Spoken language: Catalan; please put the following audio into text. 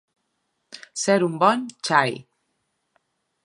Ser un bon xai.